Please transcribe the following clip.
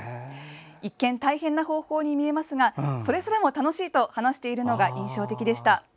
一見、大変な方法に見えますがそれすらも楽しいと話しているのが印象的でした。